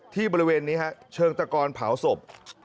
บริเวณนี้ฮะเชิงตะกอนเผาศพ